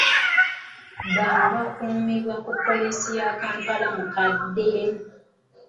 Bano bakuumibwa ku Poliisi ya Kampala Mukadde.